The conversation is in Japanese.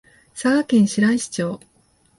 佐賀県白石町